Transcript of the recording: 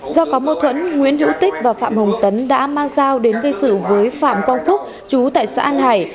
do có mâu thuẫn nguyễn hữu tích và phạm hồng tấn đã mang dao đến gây sự với phạm quang phúc chú tại xã an hải